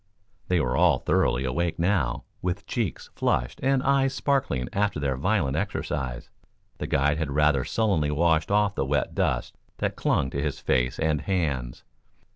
They were all thoroughly awake now, with cheeks flushed and eyes sparkling after their violent exercise. The guide had rather sullenly washed off the wet dust that clung to his face and hands.